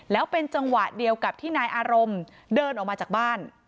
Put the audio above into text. แล้วเป็นจังหวะเดียวกับที่นายอารมณ์เดินออกมาจากบ้าน